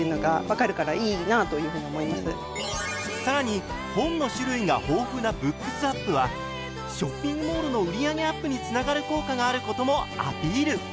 更に本の種類が豊富なＢｏｏｋｓｗａｐはショッピングモールの売り上げアップにつながる効果があることもアピール！